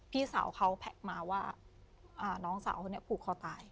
พี่สาวเขาแท็กมาว่าน้องสาวคนนี้ผูกคอตาย